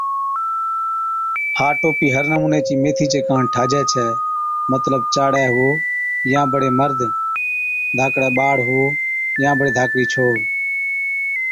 ھا ٽوپِي ھر نمُوني چِي ميٿِي چي ڪاڻ ٺاھجَي ڇَي مطلب چاڙي هُوئو يان بڙي مرد، ڌاڪڙَي ٻاڙ هُوئو يان بڙي ڌاڪڙِي ڇوهر